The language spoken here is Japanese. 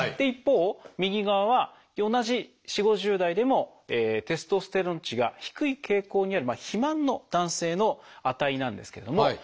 一方右側は同じ４０５０代でもテストステロン値が低い傾向にある肥満の男性の値なんですけれども。